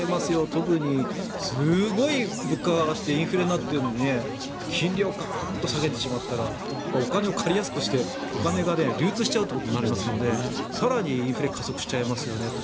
特にすごい物価が上がってインフレになっているのに金利をガーンと下げてしまったらお金を借りやすくしてお金が流通しちゃうってことになりますので更にインフレが加速しちゃいますよねと。